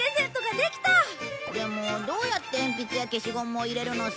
でもどうやって鉛筆や消しゴムを入れるのさ。